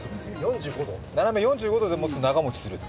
斜め４５度で持つと長もちすると。